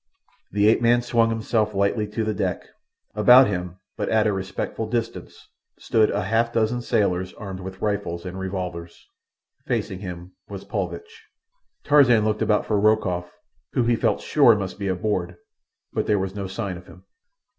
The ape man swung himself lightly to the deck. About him, but at a respectful distance, stood a half dozen sailors armed with rifles and revolvers. Facing him was Paulvitch. Tarzan looked about for Rokoff, who he felt sure must be aboard, but there was no sign of him.